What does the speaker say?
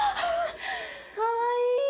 かわいい。